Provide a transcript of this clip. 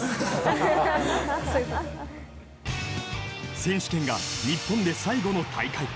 選手権が日本で最後の大会。